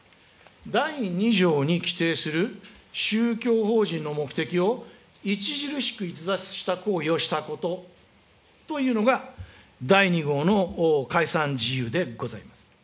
第２条に規定する宗教法人の目的を、著しく逸脱した行為をしたことというのが第２号の解散事由でございます。